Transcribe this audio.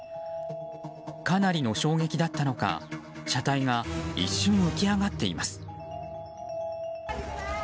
かなりの衝撃だったのか車体が一瞬、浮き上がっています。